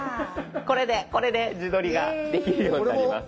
これで自撮りができるようになります。